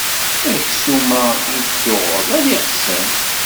Aksum-a i d-tuɣeḍ ala iɣsan.